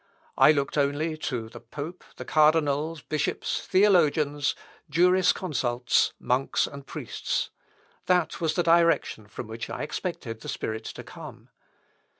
I looked only to the pope, the cardinals, bishops, theologians, jurisconsults, monks, and priests. That was the direction from which I expected the Spirit to come.